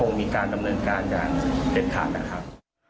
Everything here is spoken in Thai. ก็คงมีการดำเนินการงานเด็ดขาดนะครับ